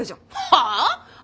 はあ？